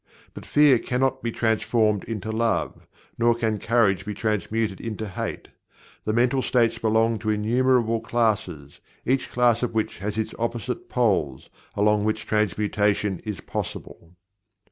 But Fear cannot be transformed into Love, nor can Courage be transmuted into Hate. The mental states belong to innumerable classes, each class of which has its opposite poles, along which transmutation is possible.